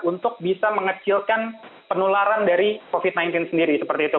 untuk bisa mengecilkan penularan dari covid sembilan belas sendiri seperti itu